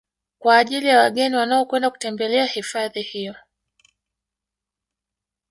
Kwa ajili ya wageni wanaokwenda kutembelea hifadhi hiyo